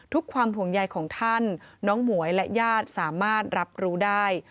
ความห่วงใยของท่านน้องหมวยและญาติสามารถรับรู้ได้